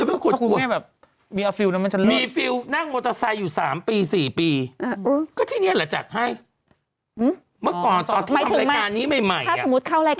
เมื่อก่อนตอนทำรายการนี้ใหม่อ่ะ